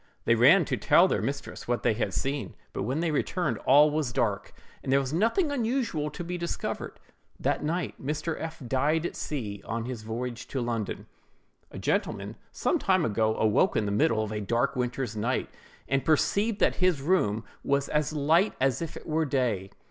They ran to tell their mistress what they had seen; but when they returned, all was dark, and there was nothing unusual to be discovered. That night Mr. F—— died at sea, on his voyage to London. A gentleman, some time ago, awoke in the middle of a dark winter's night, and perceived that his room was as light as if it were day.